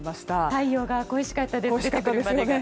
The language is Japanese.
太陽が恋しかったですよね。